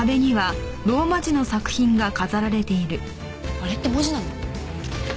あれって文字なの？